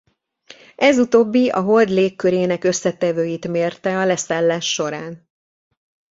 Ez utóbbi a Hold légkörének összetevőit mérte a leszállás során.